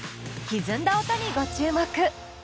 ひずんだ音にご注目！